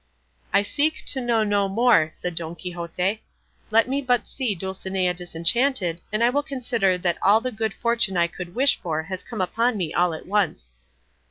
"I seek to know no more," said Don Quixote; "let me but see Dulcinea disenchanted, and I will consider that all the good fortune I could wish for has come upon me all at once."